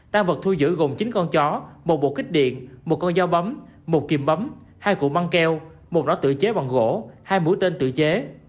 tan vật thu giữ gồm chín con chó một bộ kích điện một con dao bấm một kìm bấm hai cụ măng keo một rõ tự chế bằng gỗ hai mũi tên tự chế